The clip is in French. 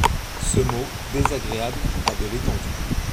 Ce mot: désagréable a de l’étendue.